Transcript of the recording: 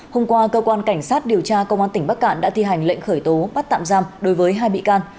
hôm qua cơ quan cảnh sát điều tra công an tỉnh bắc cạn đã thi hành lệnh khởi tố bắt tạm giam đối với hai bị can